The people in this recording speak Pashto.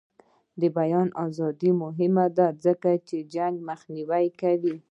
د بیان ازادي مهمه ده ځکه چې جنګ مخنیوی کوي.